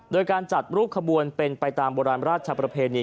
โดยการจัดรูปขบวนเป็นไปตามโบราณราชประเพณี